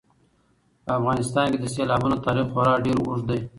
په افغانستان کې د سیلابونو تاریخ خورا ډېر اوږد دی.